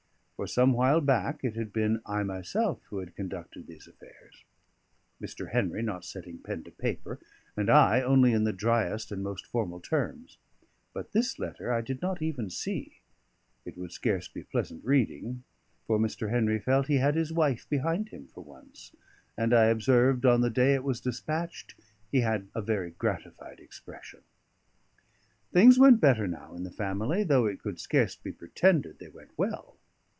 For some while back it had been I myself who had conducted these affairs; Mr. Henry not setting pen to paper, and I only in the driest and most formal terms. But this letter I did not even see; it would scarce be pleasant reading, for Mr. Henry felt he had his wife behind him for once, and I observed, on the day it was despatched, he had a very gratified expression. Things went better now in the family, though it could scarce be pretended they went well.